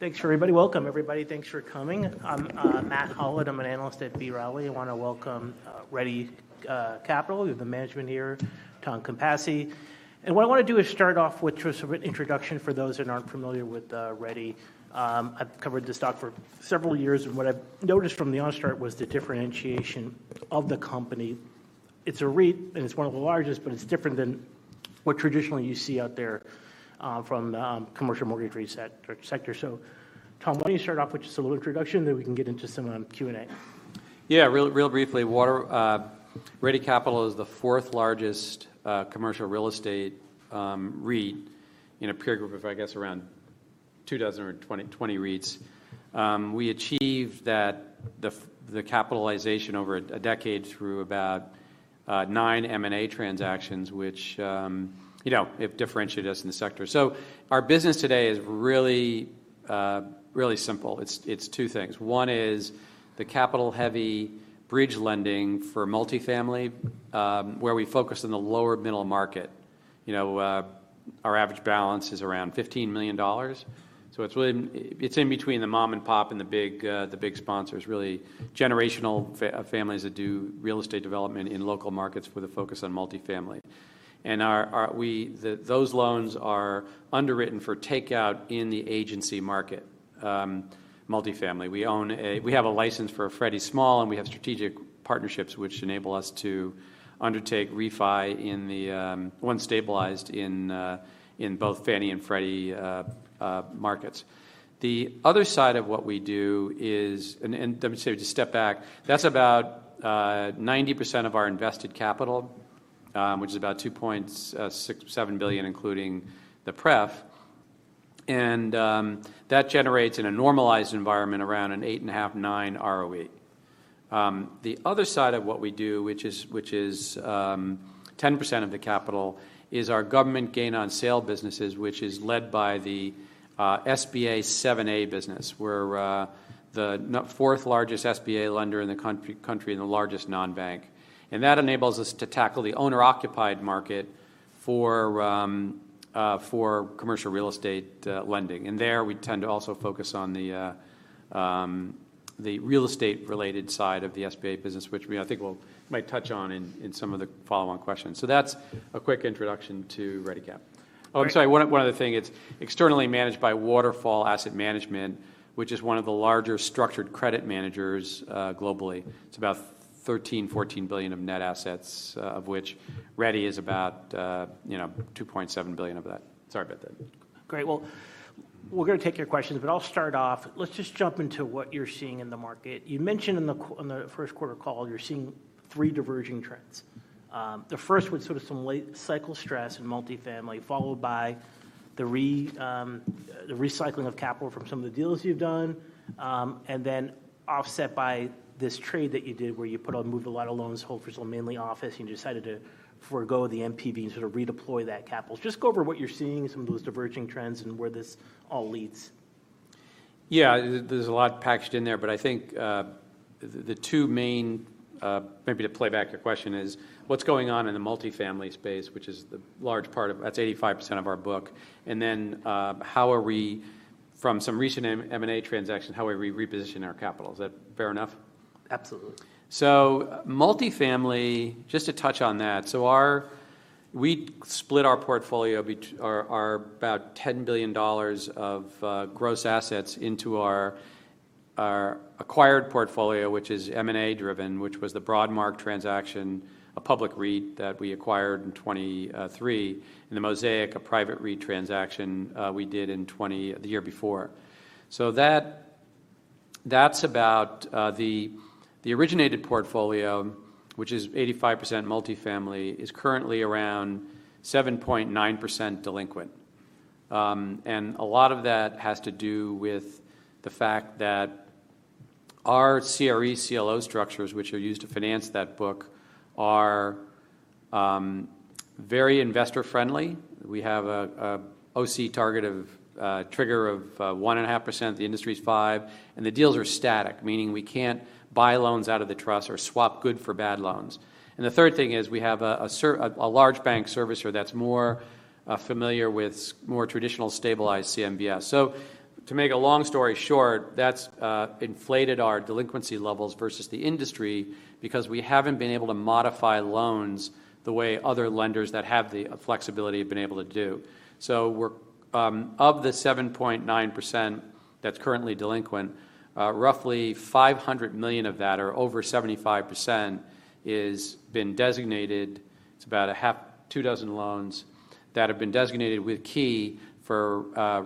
Thanks, everybody. Welcome, everybody. Thanks for coming. I'm Matt Howlett. I'm an Analyst at B. Riley. I wanna welcome Ready Capital. We have the management here, Tom Capasse. And what I wanna do is start off with just a written introduction for those that aren't familiar with Ready. I've covered this stock for several years, and what I've noticed from the onset was the differentiation of the company. It's a REIT, and it's one of the largest, but it's different than what traditionally you see out there from the commercial mortgage REIT sector. So Tom, why don't you start off with just a little introduction, then we can get into some Q&A? Yeah, really, really briefly, Ready Capital is the fourth largest commercial real estate REIT in a peer group of, I guess, around 24 or 20-20 REITs. We achieved that, the capitalization over a decade through about 9 M&A transactions, which, you know, it differentiated us in the sector. So our business today is really really simple. It's two things. One is the capital-heavy bridge lending for multifamily, where we focus on the lower middle market. You know, our average balance is around $15 million. So it's really in between the mom and pop and the big sponsors, really generational families that do real estate development in local markets with a focus on multifamily. And our, our... Well, those loans are underwritten for takeout in the agency market, multifamily. We have a license for Freddie Small, and we have strategic partnerships which enable us to undertake refi in the once stabilized in both Fannie and Freddie markets. The other side of what we do is, and let me say, just step back, that's about 90% of our invested capital, which is about $2.67 billion, including the pref. That generates in a normalized environment, around 8.5%-9% ROE. The other side of what we do, which is, which is, 10% of the capital, is our government gain on sale businesses, which is led by the SBA 7(a) business, where we're the fourth largest SBA lender in the country and the largest non-bank. And that enables us to tackle the owner-occupied market for commercial real estate lending. And there, we tend to also focus on the real estate-related side of the SBA business, which we, I think, we might touch on in some of the follow-on questions. So that's a quick introduction to Ready Cap. Great. Oh, I'm sorry, one other thing. It's externally managed by Waterfall Asset Management, which is one of the larger structured credit managers globally. It's about $13 billion-$14 billion of net assets, of which Ready is about, you know, $2.7 billion of that. Sorry about that. Great. Well, we're gonna take your questions, but I'll start off. Let's just jump into what you're seeing in the market. You mentioned in the Q&A on the first quarter call, you're seeing three diverging trends. The first was sort of some late cycle stress in multifamily, followed by the recycling of capital from some of the deals you've done, and then offset by this trade that you did where you put on, moved a lot of loans, whole for sale, mainly office, and you decided to forgo the NPV and sort of redeploy that capital. Just go over what you're seeing, some of those diverging trends and where this all leads. Yeah, there's a lot packaged in there, but I think the two main... maybe to play back your question is, what's going on in the multifamily space, which is the large part of-- that's 85% of our book, and then how are we, from some recent M&A transactions, how are we repositioning our capital? Is that fair enough? Absolutely. So multifamily, just to touch on that, we split our portfolio, our about $10 billion of gross assets into our acquired portfolio, which is M&A driven, which was the Broadmark transaction, a public REIT that we acquired in 2023, and the Mosaic, a private REIT transaction we did in 2022. So that's about the originated portfolio, which is 85% multifamily, is currently around 7.9% delinquent. And a lot of that has to do with the fact that our CRE CLO structures, which are used to finance that book, are very investor-friendly. We have a OC target of trigger of 1.5%, the industry is 5%, and the deals are static, meaning we can't buy loans out of the trust or swap good for bad loans. And the third thing is, we have a large bank servicer that's more familiar with more traditional stabilized CMBS. So to make a long story short, that's inflated our delinquency levels versus the industry because we haven't been able to modify loans the way other lenders that have the flexibility have been able to do. So we're of the 7.9% that's currently delinquent, roughly $500 million of that or over 75%, has been designated, it's about a half, two dozen loans that have been designated with Key for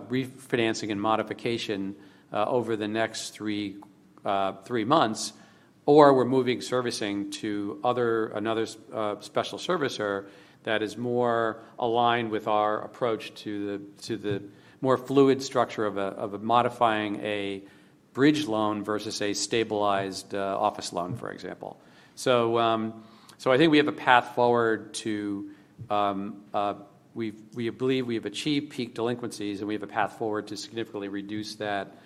refinancing and modification over the next three months, or we're moving servicing to another special servicer that is more aligned with our approach to the more fluid structure of modifying a bridge loan versus a stabilized office loan, for example. So I think we have a path forward to... We believe we have achieved peak delinquencies, and we have a path forward to significantly reduce that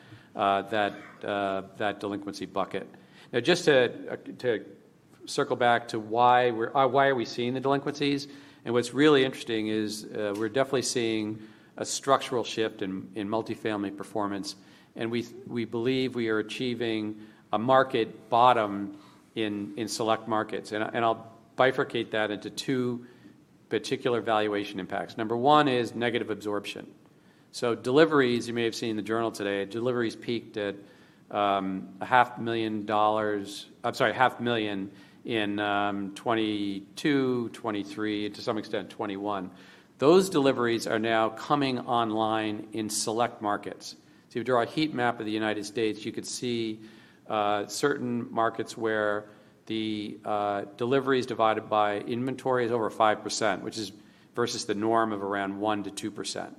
delinquency bucket. Now, just to circle back to why we're seeing the delinquencies? And what's really interesting is, we're definitely seeing a structural shift in, in multifamily performance, and we, we believe we are achieving a market bottom in, in select markets. And I, and I'll bifurcate that into two particular valuation impacts. Number one is negative absorption. So deliveries, you may have seen in the Journal today, deliveries peaked at, a $500,000-- I'm sorry, $500,000 in, 2022, 2023, to some extent, 2021. Those deliveries are now coming online in select markets. So if you draw a heat map of the United States, you could see, certain markets where the, deliveries divided by inventory is over 5%, which is versus the norm of around 1%-2%.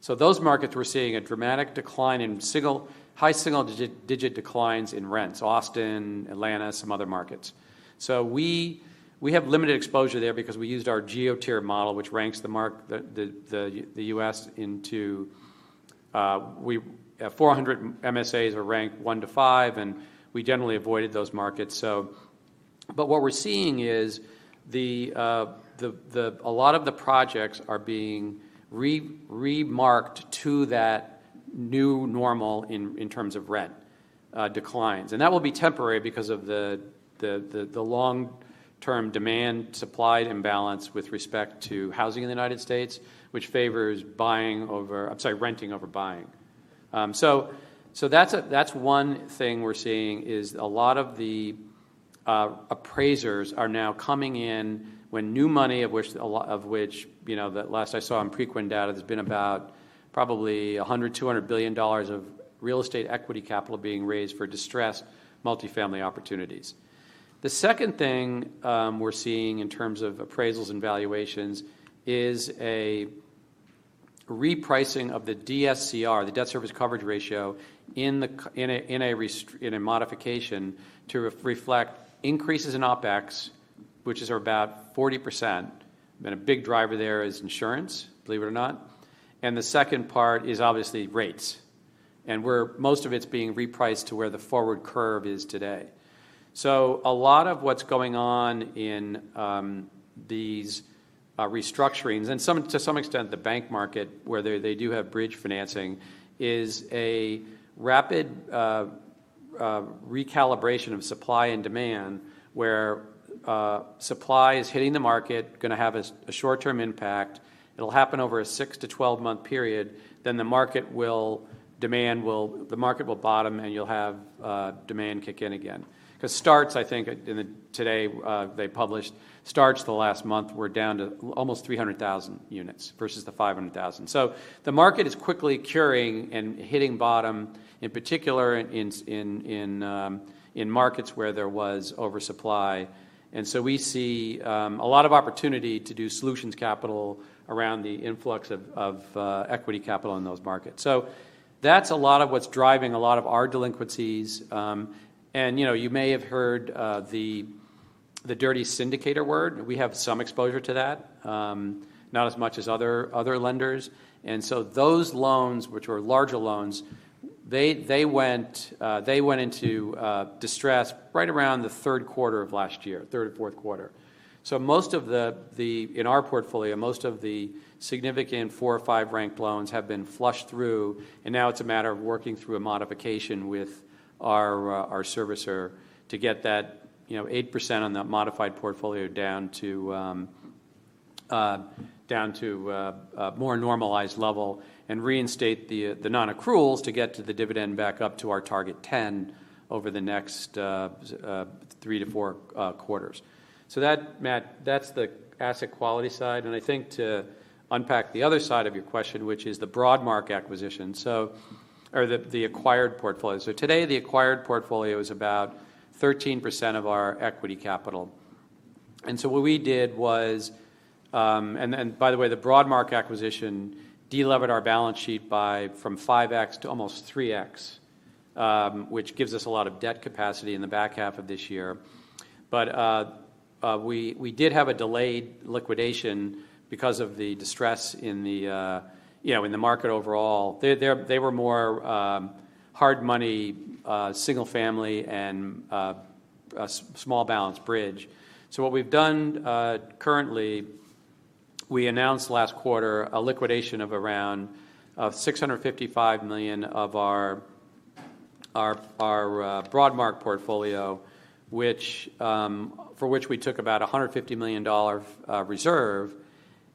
So those markets, we're seeing a dramatic decline in single-- high single-digit declines in rents: Austin, Atlanta, some other markets. So we have limited exposure there because we used our GeoTier Model, which ranks the markets in the U.S. into 400 MSAs ranked 1-5, and we generally avoided those markets. But what we're seeing is a lot of the projects are being re-marked to that new normal in terms of rent declines. And that will be temporary because of the long-term demand-supply imbalance with respect to housing in the United States, which favors buying over, I'm sorry, renting over buying. So that's one thing we're seeing, is a lot of the appraisers are now coming in when new money, of which a lot of which, you know, the last I saw on Preqin data, there's been about probably $100 billion-$200 billion of real estate equity capital being raised for distressed multifamily opportunities. The second thing we're seeing in terms of appraisals and valuations is a repricing of the DSCR, the debt service coverage ratio, in a modification to re-reflect increases in OpEx, which are about 40%, and a big driver there is insurance, believe it or not. The second part is obviously rates, and where most of it's being repriced to where the forward curve is today. So a lot of what's going on in these restructurings, and to some extent, the bank market, where they do have bridge financing, is a rapid recalibration of supply and demand, where supply is hitting the market, gonna have a short-term impact. It'll happen over a 6-12-month period, then the market will, demand will... The market will bottom, and you'll have demand kick in again. 'Cause starts, I think, today they published, starts the last month were down to almost 300,000 units versus the 500,000. So the market is quickly curing and hitting bottom, in particular, in markets where there was oversupply. And so we see a lot of opportunity to do solutions capital around the influx of equity capital in those markets. So that's a lot of what's driving a lot of our delinquencies. You know, you may have heard the dirty syndicator word. We have some exposure to that, not as much as other lenders. So those loans, which were larger loans, they went into distress right around the third quarter of last year, third or fourth quarter. So most of the, in our portfolio, most of the significant 4 or 5 ranked loans have been flushed through, and now it's a matter of working through a modification with our servicer to get that, you know, 8% on that modified portfolio down to a more normalized level and reinstate the non-accruals to get the dividend back up to our target 10 over the next 3-4 quarters. So that, Matt, that's the asset quality side, and I think to unpack the other side of your question, which is the Broadmark acquisition, so... Or the acquired portfolio. So today, the acquired portfolio is about 13% of our equity capital. And so what we did was... Then, by the way, the Broadmark acquisition delevered our balance sheet by from 5x to almost 3x, which gives us a lot of debt capacity in the back half of this year. But we did have a delayed liquidation because of the distress in the, you know, in the market overall. They were more hard money, single family and small balance bridge. So what we've done, currently, we announced last quarter a liquidation of around $655 million of our Broadmark portfolio, which, for which we took about a $150 million reserve,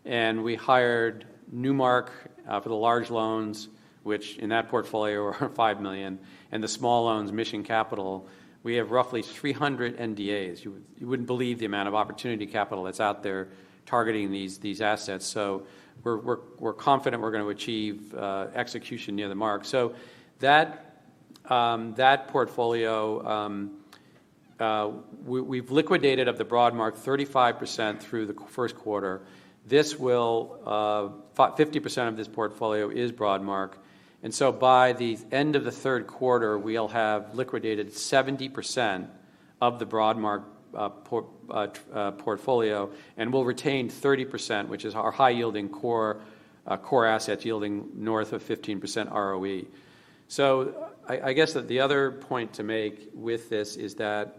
and we hired Newmark for the large loans, which in that portfolio are $5 million, and the small loans, Mission Capital. We have roughly 300 NDAs. You wouldn't believe the amount of opportunity capital that's out there targeting these assets. So we're confident we're gonna achieve execution near the mark. So that portfolio, we've liquidated 35% of the Broadmark through the first quarter. 50% of this portfolio is Broadmark, and so by the end of the third quarter, we'll have liquidated 70% of the Broadmark portfolio, and we'll retain 30%, which is our high-yielding core assets yielding north of 15% ROE. I guess that the other point to make with this is that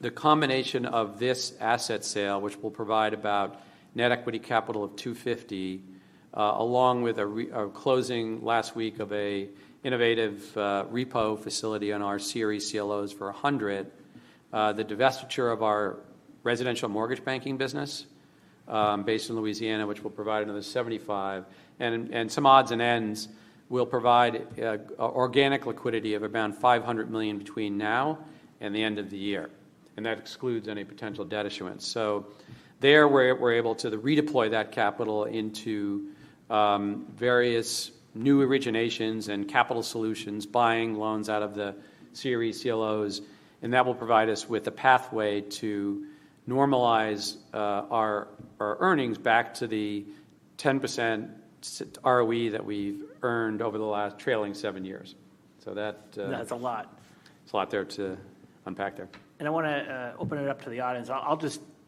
the combination of this asset sale, which will provide about net equity capital of $250 million, along with a closing last week of an innovative repo facility on our CRE CLOs for $100 million. The divestiture of our residential mortgage banking business, based in Louisiana, which will provide another $75 million, and some odds and ends will provide organic liquidity of around $500 million between now and the end of the year, and that excludes any potential debt issuance. So, we're able to redeploy that capital into various new originations and capital solutions, buying loans out of the CRE CLOs, and that will provide us with a pathway to normalize our earnings back to the 10% ROE that we've earned over the last trailing seven years. So that, That's a lot. It's a lot there to unpack there. I wanna open it up to the audience. I'll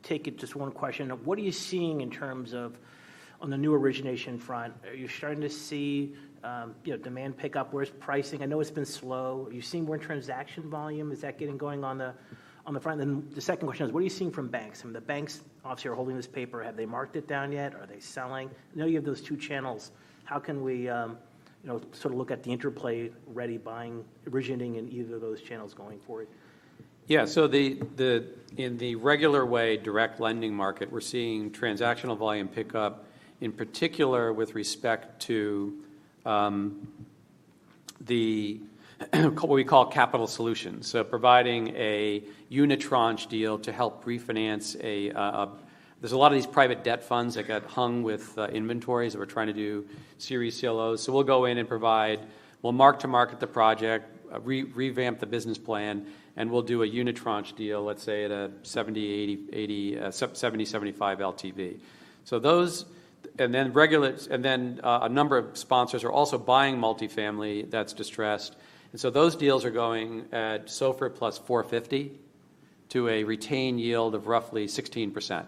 just take it just one question. What are you seeing in terms of on the new origination front? Are you starting to see, you know, demand pick up? Where's pricing? I know it's been slow. Are you seeing more transaction volume? Is that getting going on the, on the front? Then the second question is, what are you seeing from banks? Some of the banks, obviously, are holding this paper. Have they marked it down yet? Are they selling? I know you have those two channels. How can we, you know, sort of look at the interplay, Ready buying, originating in either of those channels going forward? Yeah. So in the regular way, direct lending market, we're seeing transactional volume pick up, in particular with respect to the what we call Capital Solutions. So providing a unitranche deal to help refinance a, there's a lot of these private debt funds that got hung with inventories that we're trying to do CRE CLOs. So we'll go in and provide. We'll mark to market the project, revamp the business plan, and we'll do a unitranche deal, let's say, at a 70%, 80%, 80%, 70%, 75% LTV. So those, and then a number of sponsors are also buying multifamily that's distressed. And so those deals are going at SOFR plus 450 to a retained yield of roughly 16%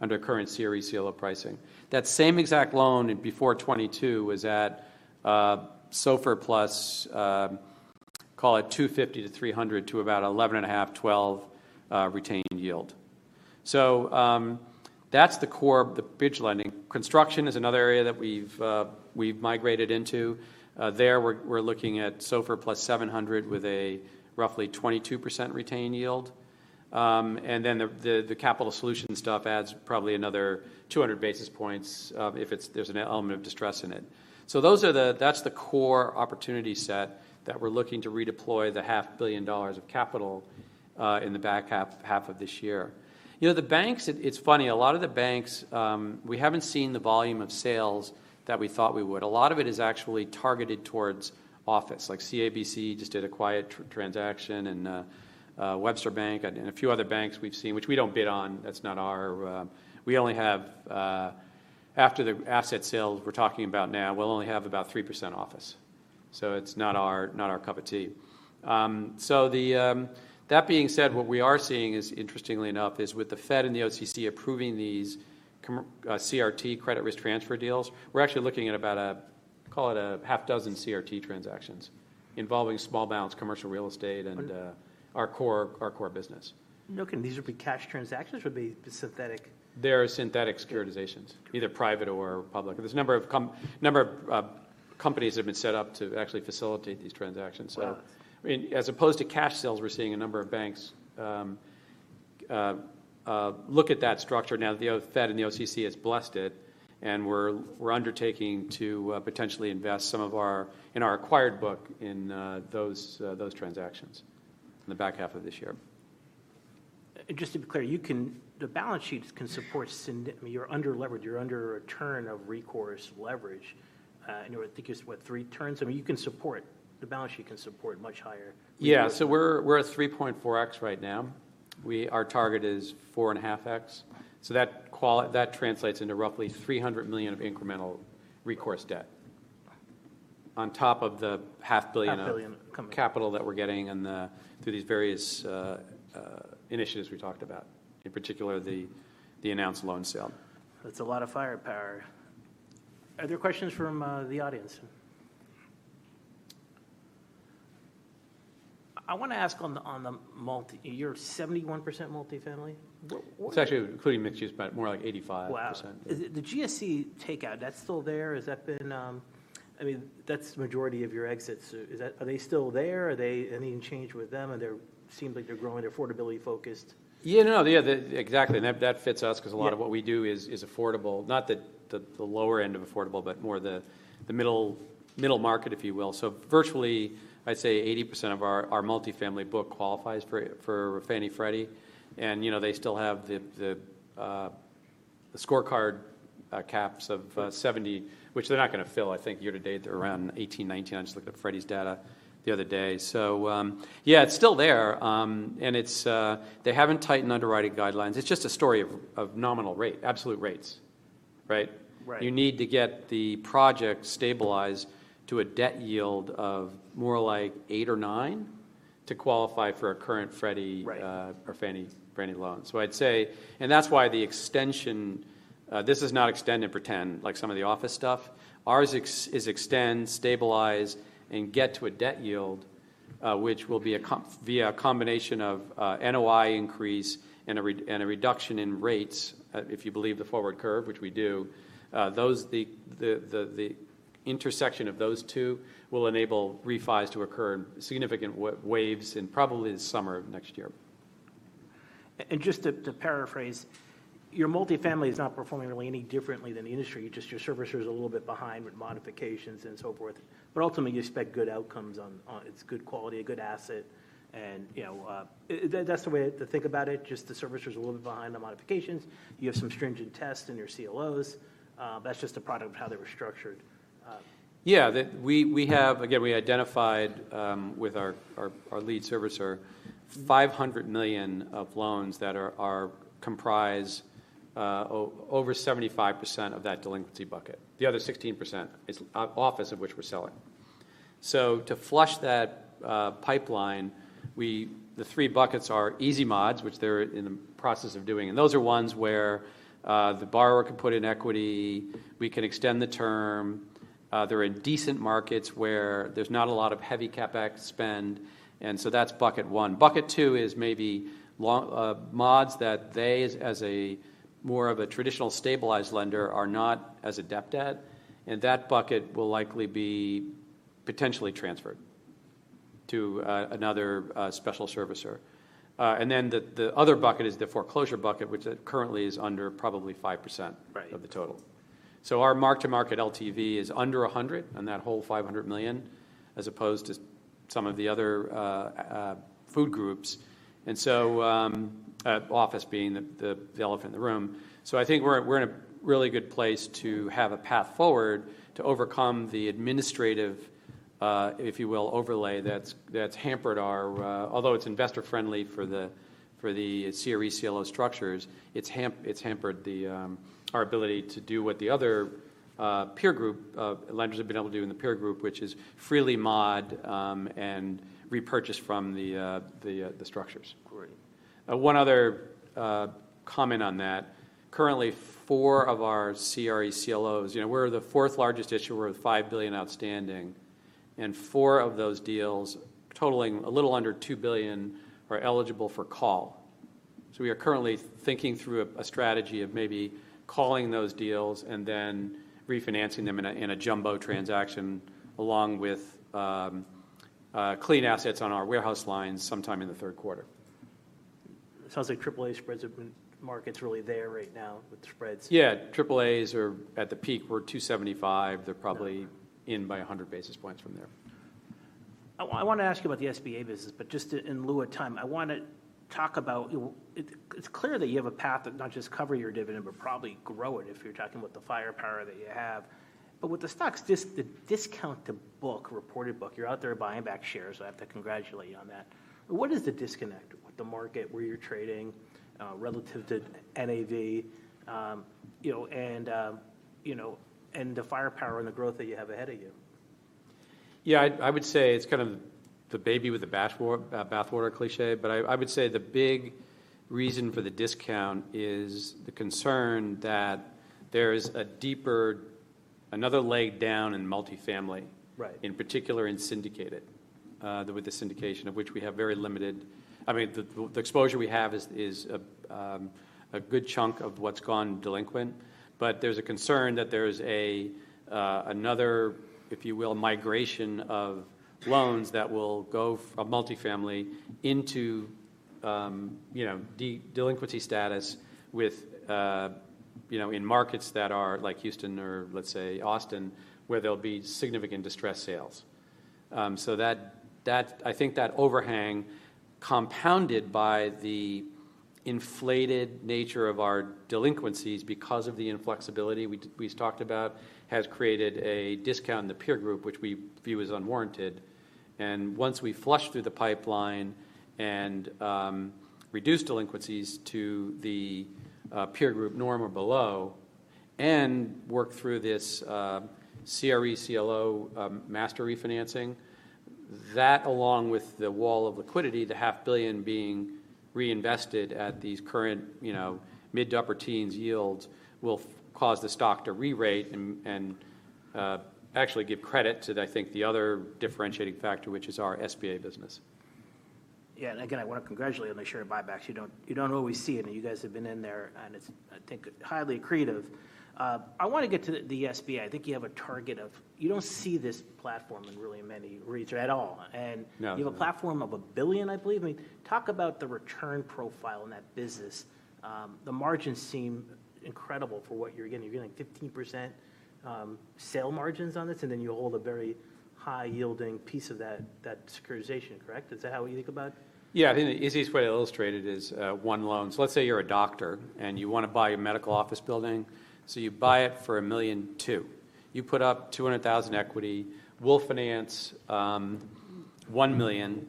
under current CRE CLO pricing. That same exact loan before 2022 was at SOFR plus, call it 250-300, to about 11.5%-12% retained yield. So, that's the core of the bridge lending. Construction is another area that we've migrated into. There we're looking at SOFR plus 700, with a roughly 22% retained yield. And then the capital solution stuff adds probably another 200 basis points, if it's- there's an element of distress in it. So those are the, that's the core opportunity set that we're looking to redeploy the $500 million of capital in the back half of this year. You know, the banks, it's funny, a lot of the banks, we haven't seen the volume of sales that we thought we would. A lot of it is actually targeted towards office, like CIBC just did a quiet transaction, and Webster Bank and a few other banks we've seen, which we don't bid on. That's not our. We only have, after the asset sale we're talking about now, we'll only have about 3% office, so it's not our, not our cup of tea. That being said, what we are seeing is, interestingly enough, is with the Fed and the OCC approving these CRT credit risk transfer deals, we're actually looking at about 6 CRT transactions involving small balance commercial real estate and our core, our core business. Okay, and these would be cash transactions or would be synthetic? They're synthetic securitizations, either private or public. There's a number of companies that have been set up to actually facilitate these transactions. Wow! So, I mean, as opposed to cash sales, we're seeing a number of banks look at that structure now that the Fed and the OCC has blessed it, and we're undertaking to potentially invest some of our in our acquired book in those transactions in the back half of this year. Just to be clear, the balance sheets can support. I mean, you're underleveraged, you're under a return of recourse leverage, and I think it's, what? 3 turns. I mean, the balance sheet can support much higher. Yeah. So we're at 3.4x right now. Our target is 4.5x. So that translates into roughly $300 million of incremental recourse debt on top of the $500 million of- $500 million. Capital that we're getting through these various initiatives we talked about, in particular, the announced loan sale. That's a lot of firepower. Are there questions from the audience? I want to ask on the, on the multi... You're 71% multifamily? It's actually, including mixed-use, but more like 85%. Wow! The GSE takeout, that's still there? Has that been, I mean, that's the majority of your exits. Is that- are they still there? Are they- anything changed with them? Are there- seems like they're growing, they're affordability focused. Yeah, no, yeah, exactly, and that, that fits us. Yeah. 'Cause a lot of what we do is affordable. Not the lower end of affordable, but more the middle market, if you will. So virtually, I'd say 80% of our multifamily book qualifies for Fannie, Freddie, and, you know, they still have the scorecard caps of 70%, which they're not gonna fill, I think, year to date. They're around 18%, 19%. I just looked at Freddie's data the other day. So, yeah, it's still there, and they haven't tightened underwriting guidelines. It's just a story of nominal rate, absolute rates. Right? Right. You need to get the project stabilized to a debt yield of more like 8 or 9 to qualify for a current Freddie- Right. Or Fannie loan. So I'd say. And that's why the extension, this is not extend and pretend, like some of the office stuff. Ours is extend, stabilize, and get to a debt yield, which will be accomplished via a combination of, NOI increase and a reduction in rates, if you believe the forward curve, which we do. The intersection of those two will enable refis to occur in significant waves in probably the summer of next year. And just to paraphrase, your multifamily is not performing really any differently than the industry, just your servicer is a little bit behind with modifications and so forth. But ultimately, you expect good outcomes on—it's good quality, a good asset, and, you know, that's the way to think about it, just the servicer's a little bit behind on modifications. You have some stringent tests in your CLOs. That's just a product of how they were structured. Yeah, we have. Again, we identified with our lead servicer $500 million of loans that are comprised over 75% of that delinquency bucket. The other 16% is office, of which we're selling. So to flush that pipeline, the three buckets are easy mods, which they're in the process of doing, and those are ones where the borrower can put in equity, we can extend the term. They're in decent markets where there's not a lot of heavy CapEx spend, and so that's bucket one. Bucket two is maybe mods that they, as a more of a traditional stabilized lender, are not as adept at, and that bucket will likely be potentially transferred to another special servicer. And then the other bucket is the foreclosure bucket, which currently is under probably 5%. Right.... of the total. So our mark-to-market LTV is under 100 on that whole $500 million, as opposed to some of the other peer groups. And so, office being the elephant in the room. So I think we're in a really good place to have a path forward to overcome the administrative, if you will, overlay that's hampered our... Although it's investor-friendly for the CRE CLO structures, it's hampered our ability to do what the other peer group lenders have been able to do in the peer group, which is freely mod and repurchase from the structures. Right. One other comment on that. Currently, four of our CRE CLOs, you know, we're the fourth largest issuer with $5 billion outstanding, and four of those deals, totaling a little under $2 billion, are eligible for call. So we are currently thinking through a strategy of maybe calling those deals and then refinancing them in a jumbo transaction, along with clean assets on our warehouse lines sometime in the third quarter. Sounds like triple-A spreads have been. Market's really there right now with spreads. Yeah, AAA's are at the peak, we're 275. They're probably in by 100 basis points from there. I wanna ask you about the SBA business, but just to in lieu of time, I wanna talk about it. It's clear that you have a path to not just cover your dividend, but probably grow it, if you're talking about the firepower that you have. But with the stock's discount to book, reported book, you're out there buying back shares. I have to congratulate you on that. What is the disconnect with the market, where you're trading relative to NAV, you know, and the firepower and the growth that you have ahead of you? Yeah, I would say it's kind of the baby with the bathwater cliché, but I would say the big reason for the discount is the concern that there is a deeper, another leg down in multifamily- Right.... in particular, in syndicated with the syndication, of which we have very limited. I mean, the exposure we have is a good chunk of what's gone delinquent. But there's a concern that there's another, if you will, migration of loans that will go from multifamily into, you know, delinquency status with, you know, in markets that are like Houston or, let's say, Austin, where there'll be significant distressed sales. So that, I think that overhang, compounded by the inflated nature of our delinquencies because of the inflexibility we've talked about, has created a discount in the peer group, which we view as unwarranted. Once we flush through the pipeline and reduce delinquencies to the peer group norm or below, and work through this CRE CLO master refinancing, that, along with the wall of liquidity, the $500 million being reinvested at these current, you know, mid- to upper-teens yields, will cause the stock to re-rate and actually give credit to, I think, the other differentiating factor, which is our SBA business. Yeah, and again, I wanna congratulate on the share buybacks. You don't, you don't always see it, and you guys have been in there, and it's, I think, highly accretive. I wanna get to the SBA. I think you have a target of... You don't see this platform in really many REITs at all, and- No. You have a platform of $1 billion, I believe. I mean, talk about the return profile in that business. The margins seem incredible for what you're getting. You're getting 15% sale margins on this, and then you hold a very high-yielding piece of that, that securitization, correct? Is that how you think about it? Yeah. I think the easiest way to illustrate it is, one loan. So let's say you're a doctor, and you wanna buy a medical office building, so you buy it for $1.2 million. You put up $200,000 equity. We'll finance $1 million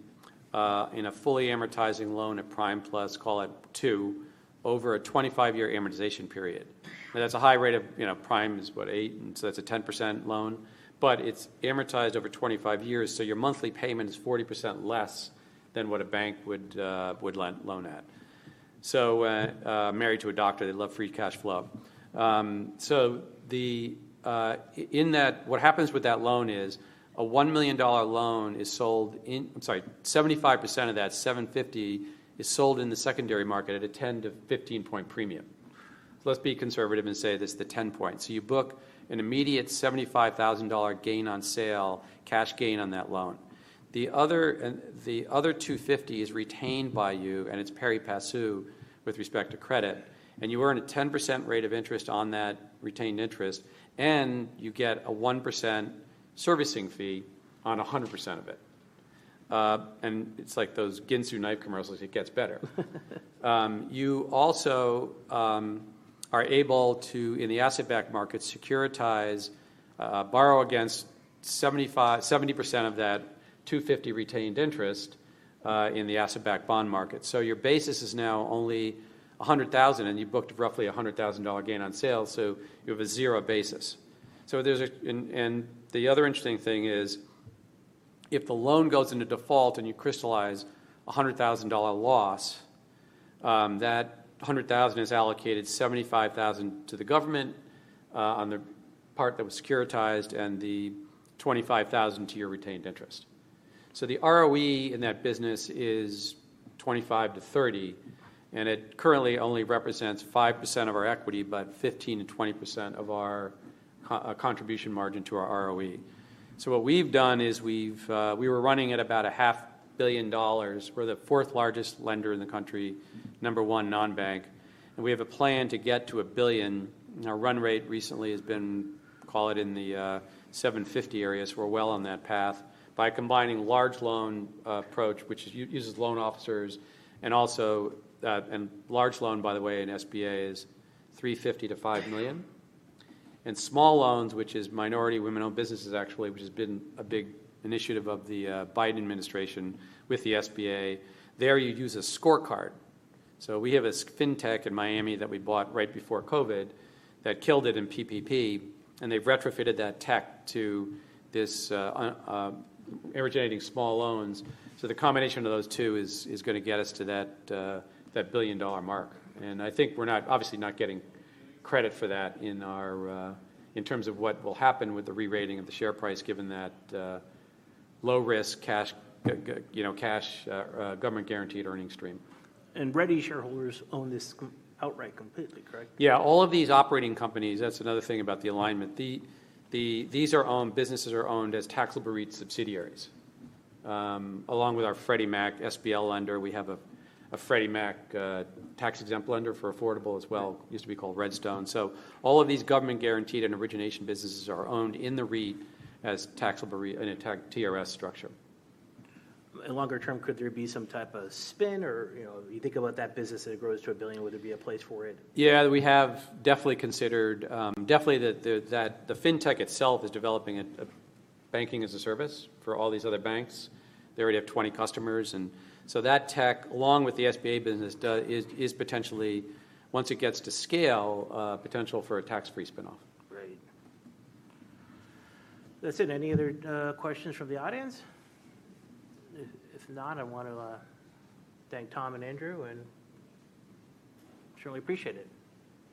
in a fully amortizing loan at prime plus, call it 2, over a 25-year amortization period. I mean, that's a high rate of, you know, prime is what? 8%, and so that's a 10% loan, but it's amortized over 25 years, so your monthly payment is 40% less than what a bank would lend loan at. So, married to a doctor, they love free cash flow. So the, in that, what happens with that loan is a $1 million loan is sold in... I'm sorry, 75% of that, $750,000, is sold in the secondary market at a 10-15 point premium. So let's be conservative and say this is the 10 points. So you book an immediate $75,000 gain on sale, cash gain on that loan. The other, and the other $250,000 is retained by you, and it's pari passu with respect to credit, and you earn a 10% rate of interest on that retained interest, and you get a 1% servicing fee on 100% of it. And it's like those Ginsu knife commercials, it gets better. You also are able to, in the asset-backed market, securitize, borrow against 70% of that $250,000 retained interest, in the asset-backed bond market. So your basis is now only $100,000, and you've booked roughly a $100,000 gain on sale, so you have a 0 basis. So there's an and the other interesting thing is, if the loan goes into default and you crystallize a $100,000 loss, that $100,000 is allocated $75,000 to the government on the part that was securitized and the $25,000 to your retained interest. So the ROE in that business is 25%-30%, and it currently only represents 5% of our equity, but 15%-20% of our contribution margin to our ROE. So what we've done is we were running at about $500 million. We're the fourth largest lender in the country, number one non-bank, and we have a plan to get to $1 billion. Our run rate recently has been, call it, in the $750 million area, so we're well on that path by combining large loan approach, which uses loan officers and also and large loan, by the way, in SBA, is $3.5 million-$5 million. Small loans, which is minority, women-owned businesses, actually, which has been a big initiative of the Biden administration with the SBA. There, you'd use a scorecard. So we have a fintech in Miami that we bought right before COVID that killed it in PPP, and they've retrofitted that tech to this, originating small loans. So the combination of those two is gonna get us to that $1 billion mark. I think we're not, obviously not getting credit for that in our in terms of what will happen with the re-rating of the share price, given that low risk cash, you know, cash, government-guaranteed earning stream. Ready shareholders own this outright completely, correct? Yeah, all of these operating companies, that's another thing about the alignment. These businesses are owned as taxable REIT subsidiaries. Along with our Freddie Mac SBL lender, we have a Freddie Mac tax-exempt lender for affordable as well, used to be called Red Stone. So all of these government-guaranteed and origination businesses are owned in the REIT as taxable REIT in a tax TRS structure. In longer term, could there be some type of spin or, you know, you think about that business and it grows to $1 billion, would there be a place for it? Yeah, we have definitely considered that the fintech itself is developing a banking as a service for all these other banks. They already have 20 customers, and so that tech, along with the SBA business, is potentially, once it gets to scale, a potential for a tax-free spin-off. Great. That's it. Any other questions from the audience? If not, I want to thank Tom and Andrew, and certainly appreciate it.